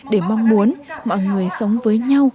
để mong muốn mọi người sống với nhau